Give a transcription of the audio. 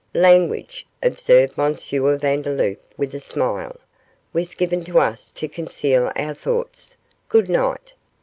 'Language,' observed M. Vandeloup, with a smile, 'was given to us to conceal our thoughts. Good night!